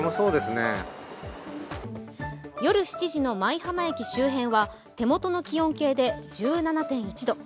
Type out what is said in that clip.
夜７時の舞浜駅周辺は手元の気温計で１７．１度。